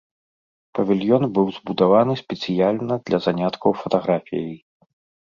Павільён быў збудаваны спецыяльна для заняткаў фатаграфіяй.